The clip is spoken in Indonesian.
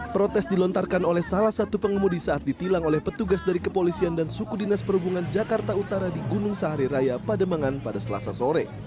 protes dilontarkan oleh salah satu pengemudi saat ditilang oleh petugas dari kepolisian dan suku dinas perhubungan jakarta utara di gunung sahari raya pademangan pada selasa sore